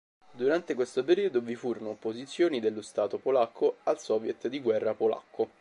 Durante questo periodo vi furono opposizioni dello Stato polacco al Soviet di Guerra Polacco.